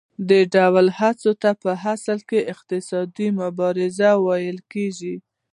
دې ډول هڅو ته په اصل کې اقتصادي مبارزه ویل کېږي